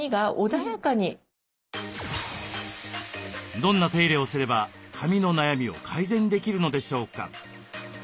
どんな手入れをすれば髪の悩みを改善できるのでしょうか？